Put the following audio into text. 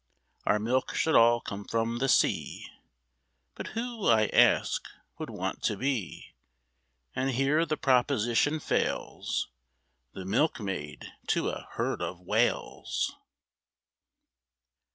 Our milk should all come from the sea, But who, I ask, would want to be, And here the proposition fails, The milkmaid to a herd of Whales?